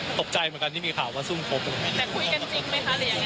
ตกใจเหมือนกันที่มีข่าวว่าซุ่มครบแต่คุยกันจริงไหมคะหรือยังไง